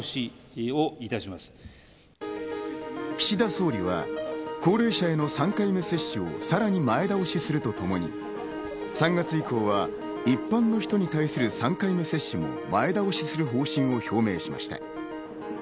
岸田総理は高齢者への３回目接種をさらに前倒しするとともに、３月以降は一般の人に対する３回目接種も前倒しする方針を表明しました。